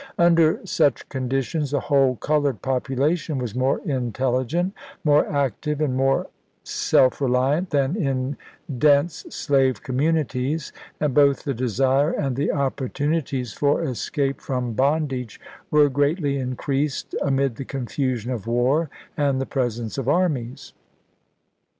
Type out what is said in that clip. Under such conditions the whole colored population was more intelligent, more active, and more self reliant than in dense slave communities, and both the desire and the opportunities for escape from bondage were greatly increased amid the confusion of war and the presence of armies.